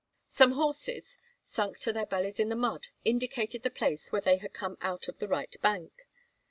Some horses, sunk to their bellies in the mud, indicated the place where he had come out on the right bank.